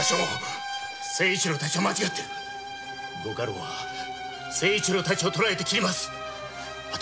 御家老は誠一郎たちを捕らえて切ります